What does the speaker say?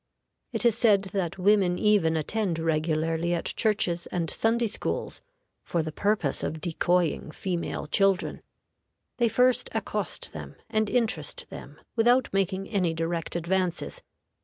It is said that women even attend regularly at churches and Sunday schools for the purpose of decoying female children. They first accost them, and interest them, without making any direct advances.